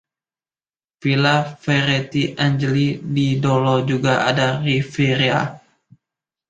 Villa Ferretti-Angeli di Dolo juga ada di Riviera.